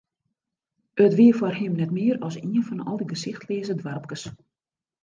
It wie foar him net mear as ien fan al dy gesichtleaze doarpkes.